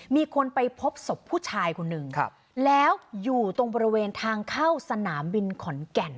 มีคนไปพบศพผู้ชายคนหนึ่งแล้วอยู่ตรงบริเวณทางเข้าสนามบินขอนแก่น